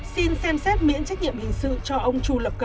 xin xem xét miễn trách nhiệm hình sự cho ông chu lập